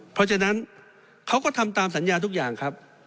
เพราะฉะนั้นเขาก็ทำตามสัญญาทุกอย่างครับ